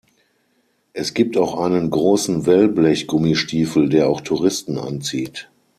Es gibt auch einen großen Wellblech-Gummistiefel, der auch Touristen anzieht.